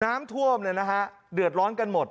น้ำท่วมเนี่ยนะคะเดือดร้อนกันหมด